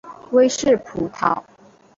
威氏葡萄